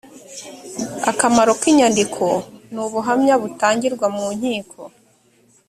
akamaro k inyandiko n ubuhamya butangirwa mu nkiko